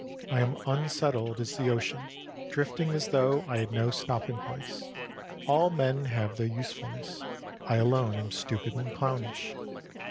I am unsettled as the ocean, drifting as though I had no stopping place. All men have their usefulness ; I alone am stupid and clownish.